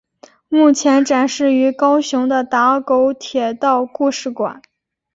目前展示于高雄的打狗铁道故事馆。